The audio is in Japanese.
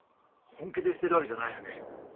本気で捨てるわけじゃないよね。